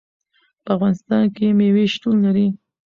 په افغانستان کې مېوې شتون لري.